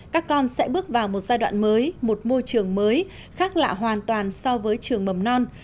các con sẽ bước vào một giai đoạn mới một môi trường mới khác lạ hoàn toàn so với trường mầm non